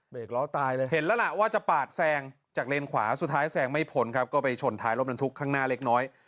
ล้อตายเลยเห็นแล้วล่ะว่าจะปาดแซงจากเลนขวาสุดท้ายแซงไม่พ้นครับก็ไปชนท้ายรถบรรทุกข้างหน้าเล็กน้อย